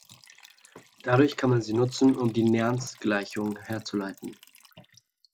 Dadurch kann man sie nutzen, um die Nernst-Gleichung herzuleiten.